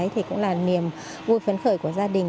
trong niềm vui phấn khởi của gia đình